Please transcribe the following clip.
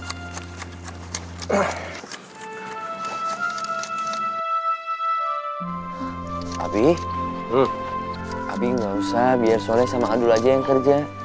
pabing pabing gak usah biar soleh sama adul aja yang kerja